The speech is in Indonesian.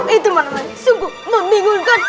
itu mana lagi sungguh membingungkan